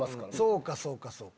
そうかそうかそうか。